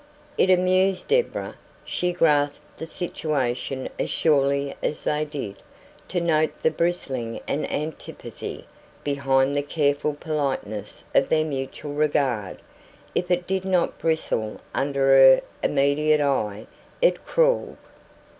It amused Deborah, who grasped the situation as surely as they did, to note the bristling antipathy behind the careful politeness of their mutual regard. If it did not bristle under her immediate eye, it crawled.